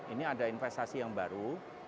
ini ada investasi yang baru